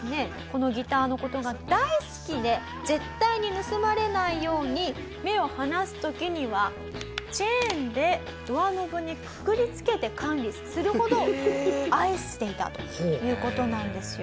このギターの事が大好きで絶対に盗まれないように目を離す時にはチェーンでドアノブにくくり付けて管理するほど愛していたという事なんですよ。